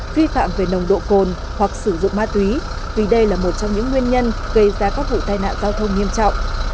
vi phạm về nồng độ cồn hoặc sử dụng ma túy vì đây là một trong những nguyên nhân gây ra các vụ tai nạn giao thông nghiêm trọng